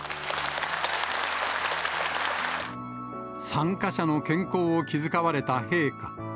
参加者の健康を気遣われた陛下。